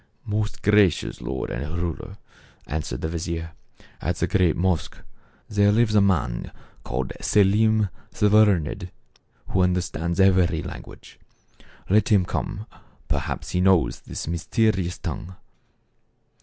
" Most gracious lord and ruler," answered the vizier, " at the great mosque, there lives a man called Selim the Learned, who understands every language. Let him come ; perhaps he knows this mysterious tongue."